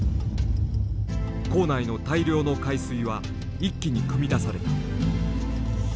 坑内の大量の海水は一気にくみ出された。